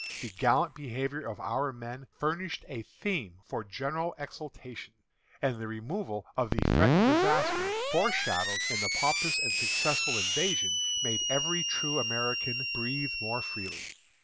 The gallant behavior of our men furnished a theme for general exultation, and the removal of the threatened disaster foreshadowed in the pompous and successful invasion, made every true American breathe more freely.